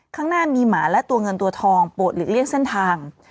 ข้างหน้ามีหมาและตัวเงินตัวทองโปรดหลีกเลี่ยงเส้นทาง